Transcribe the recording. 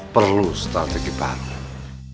perlu strategi baru